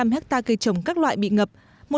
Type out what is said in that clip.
tám bốn mươi năm hectare cây trồng các loại bị ngập